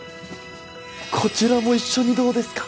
こちらも一緒にどうですか？